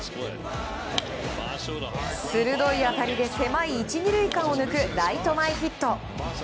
鋭い当たりで狭い１、２塁間を抜くライト前ヒット。